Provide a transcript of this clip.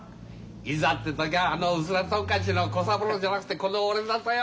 いざって時はあのうすらトンカチの小三郎じゃなくてこの俺だとよ。